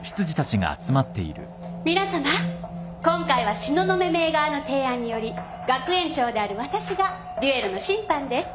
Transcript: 皆さま今回は東雲メイ側の提案により学園長であるわたしが決闘の審判です。